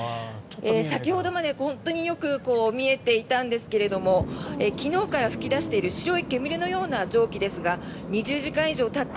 先ほどまで本当によく見えていたんですけれども昨日から噴き出している白い煙のような蒸気ですが２０時間以上たった